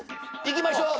「いきましょう！